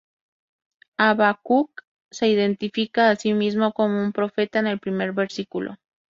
Habacuc se identifica a sí mismo como un profeta en el primer versículo.